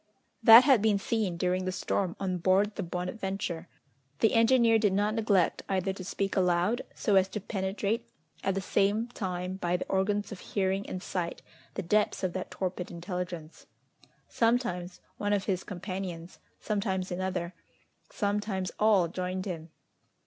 That had been seen, during the storm, on board the Bonadventure! The engineer did not neglect either to speak aloud, so as to penetrate at the same time by the organs of hearing and sight the depths of that torpid intelligence. Sometimes one of his companions, sometimes another, sometimes all joined him.